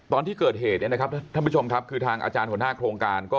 ตอนที่เกิดเหตุนะครับท่านผู้ชมคือทางอาจารย์ขนาดโครงการ